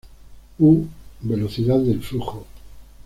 U: Velocidad del flujo.